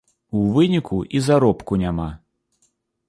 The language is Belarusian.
У выніку і заробку няма.